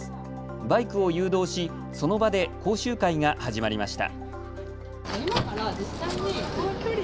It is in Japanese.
バイクを誘導し、その場で講習会が始まりました。